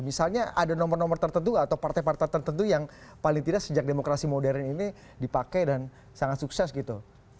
misalnya ada nomor nomor tertentu nggak atau partai partai tertentu yang paling tidak sejak demokrasi modern ini dipakai dan sangat sukses gitu